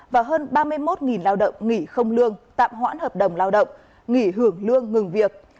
và hơn ba mươi một lao động nghỉ không lương tạm hoãn hợp đồng lao động nghỉ hưởng lương ngừng việc